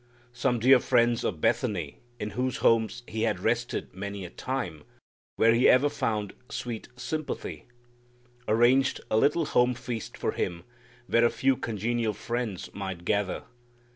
Some dear friends of Bethany in whose home He had rested many a time, where He ever found sweet sympathy, arranged a little home feast for Him where a few congenial friends might gather.